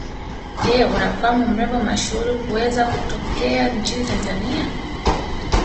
Je unamfahamu mrembo mashuhuri kuweza kutokea nchini Tanzania